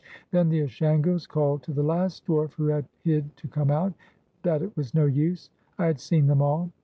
Then the Ashangos called to the last dwarf who had hid to come out; that it was no use, I had seen them all.